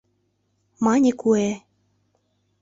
— мане куэ.